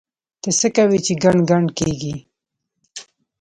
ته څه کوې چې ګڼ ګڼ کېږې؟!